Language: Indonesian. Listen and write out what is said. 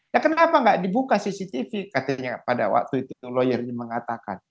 ya kenapa nggak dibuka cctv katanya pada waktu itu lawyernya mengatakan